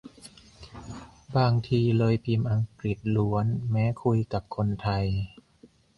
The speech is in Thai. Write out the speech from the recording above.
บางทีเลยพิมพ์อังกฤษล้วนแม้คุยกับคนไทย